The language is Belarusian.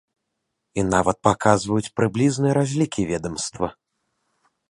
І нават паказваюць прыблізныя разлікі ведамства.